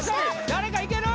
誰かいける？